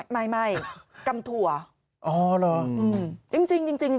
ไม่ไม่กำถัวอ๋อเหรออืมจริงจริงจริงจริงจริง